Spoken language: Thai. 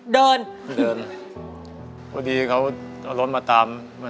เดินมา